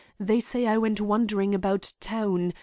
They say I went wandering about town.